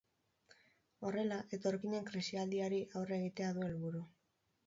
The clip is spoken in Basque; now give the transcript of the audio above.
Horrela, etorkinen krisialdiari aurre egitea du helburu.